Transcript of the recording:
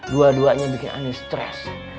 dua duanya bikin aneh stress